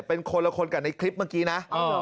เป็นคนละคนกับในคลิปเมื่อกี้นะ